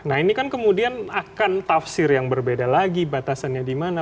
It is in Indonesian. nah ini kan kemudian akan tafsir yang berbeda lagi batasannya di mana